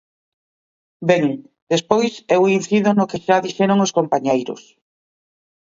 Ben, despois eu incido no que xa dixeron os compañeiros.